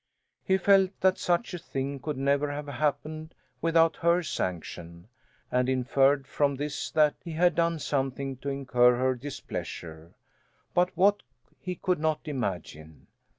He felt that such a thing could never have happened without her sanction, and inferred from this that he had done something to incur her displeasure; but what he could not imagine!